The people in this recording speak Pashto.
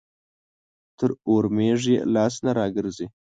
تر اورمېږ يې لاس نه راګرځي.